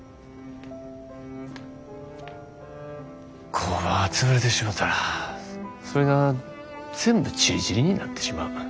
工場が潰れてしもたらそれが全部散り散りになってしまう。